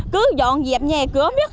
cứ dọn dẹp nhà cửa mứt